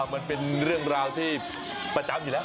มันเป็นเรื่องราวที่ประจำอยู่แล้ว